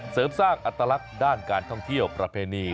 เสริมสร้างอัตลักษณ์ด้านการท่องเที่ยวประเพณี